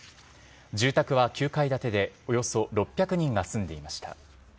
住宅は９階建てで、およそ６００人が住んでいました。